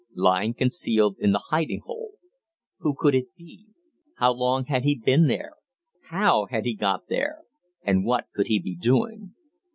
lying concealed in the hiding hole. Who could he be? How long had he been there? How had he got there and what could he be doing?